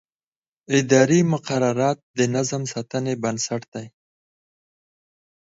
اداري مقررات د نظم ساتنې بنسټ دي.